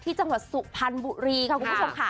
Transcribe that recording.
ที่จังหวัดสุขภัณฑ์บุรีคุณผู้ชมค้า